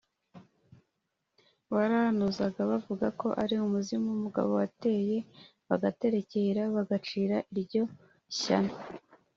barahanuzaga bavuga ko ari umuzimu w’umugabo wateye bagaterekera bagacira iryo shyano